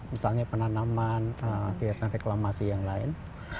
misalnya penanaman kegiatan reklamasi yang lain